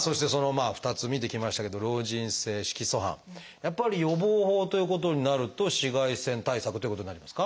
やっぱり予防法ということになると紫外線対策ということになりますか？